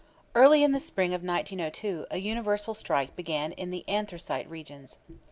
Early in the spring of 1902 a universal strike began in the anthracite regions.